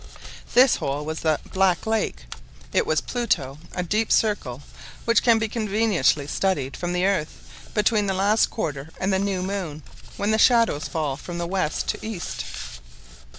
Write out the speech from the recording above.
This hole was the "Black Lake"; it was Pluto, a deep circle which can be conveniently studied from the earth, between the last quarter and the new moon, when the shadows fall from west to east.